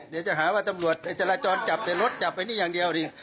เดี๋ยวจะหาว่าตำรวจจราจรจับแต่รถจับไปนี่อย่างเดียวดิ